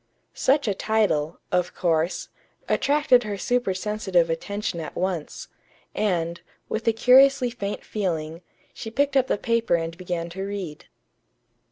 Such a title, of course, attracted her supersensitive attention at once; and, with a curiously faint feeling, she picked up the paper and began to read.